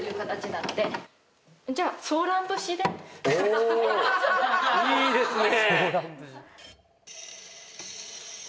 おいいですね！